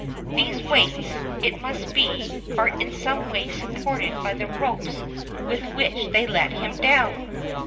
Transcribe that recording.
These weights, it must be, are in some way supported by the ropes with which they let him down.